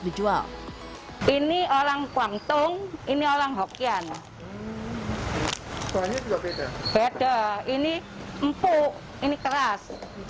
dijual ini orang kuangtung ini orang hokian banyak juga beda beda ini empuk ini keras